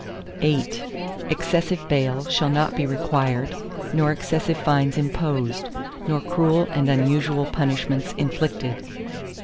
ARTICLE VIII Excessive bail shall not be required, nor excessive fines imposed, nor cruel and unusual punishments inflicted.